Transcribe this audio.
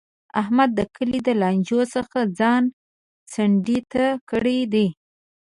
احمد د کلي له لانجو څخه ځان څنډې ته کړی دی.